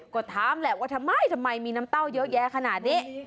ก็ถามแหละว่าทำไมทำไมมีน้ำเต้าเยอะแยะขนาดนี้